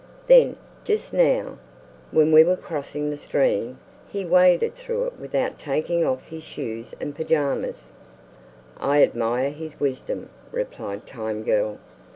"Then, just now, when we were crossing the stream, he waded through it without taking off his shoes and pajamas." "I admire his wisdom," replied time girl.